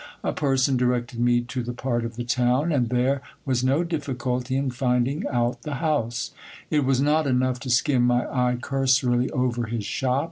A person directed me to the part of the town, and there was no difficulty in finding out the house It was not enough to skim my eye cursorily over his shop.